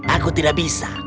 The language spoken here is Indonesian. aku tidak bisa